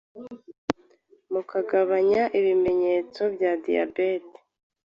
mu kugabanya ibimenyetso bya diyabete